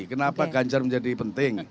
kenapa ganjar menjadi penting